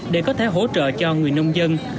để có thể hỗ trợ cho người nông dân